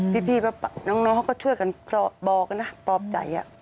พี่น้องเขาก็ช่วยกันบอกนะปลอบใจ